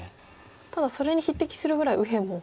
ただそれに匹敵するぐらい右辺も。